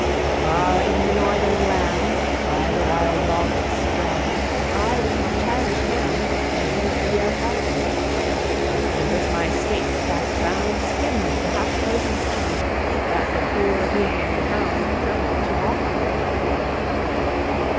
"Far in the Northern Land, By the wild Baltic's strand, I, with my childish hand, Tamed the gerfalcon; And, with my skates fast bound, Skimmed the half frozen Sound, That the poor whimpering hound Trembled to walk on.